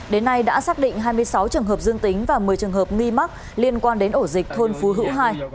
đến nay đã xác định hai mươi sáu trường hợp dương tính và một mươi trường hợp nghi mắc liên quan đến ổ dịch thôn phú hữu hai